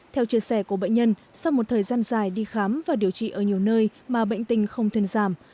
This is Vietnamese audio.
theo chia sẻ của bệnh nhân sau một thời gian dài đi khám và điều trị ở nhiều nơi mà bệnh tình không thuyền giảm